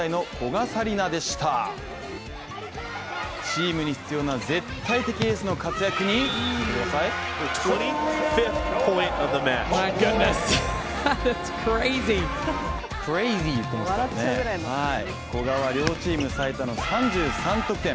チームに必要な絶対的エースの活躍に古賀は両チーム最多の３３得点